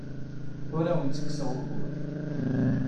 Ur awen-ttekkseɣ ugur.